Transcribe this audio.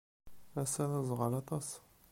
Ass-a d aẓɣal aṭas.